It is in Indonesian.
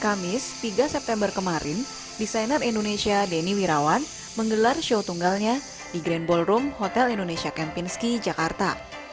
kamis tiga september kemarin desainer indonesia denny wirawan menggelar show tunggalnya di grand ballroom hotel indonesia kempinski jakarta